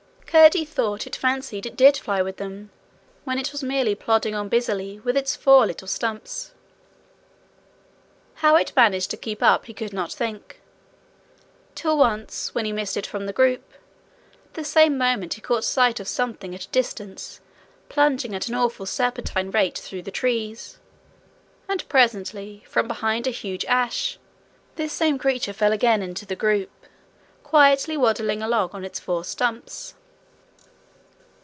Curdie thought it fancied it did fly with them, when it was merely plodding on busily with its four little stumps. How it managed to keep up he could not think, till once when he missed it from the group: the same moment he caught sight of something at a distance plunging at an awful serpentine rate through the trees, and presently, from behind a huge ash, this same creature fell again into the group, quietly waddling along on its four stumps.